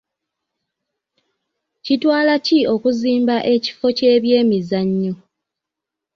KItwala ki okuzimba ekifo ky'ebyemizannyo?